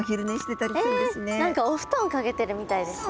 何かお布団掛けてるみたいですね。